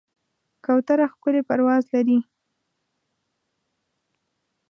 کوتره ښکلی پرواز لري.